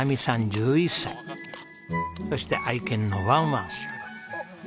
そして愛犬のワンワン。